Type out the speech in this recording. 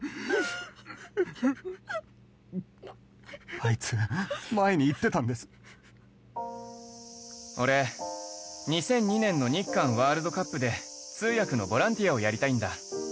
あいつ前に言ってたんです俺２００２年の日韓ワールドカップで通訳のボランティアをやりたいんだ